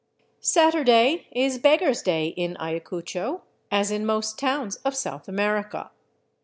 Saturday is beggar's day in Ayacucho, as in most towns of South America.